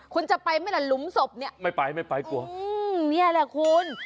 คุณจะไปไหมล่ะหลุมศพเนี่ยไม่ไปไม่ไปกลัวอืมนี่แหละคุณ